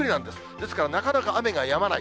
ですから、なかなか雨が止まない。